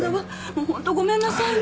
もう本当ごめんなさいね。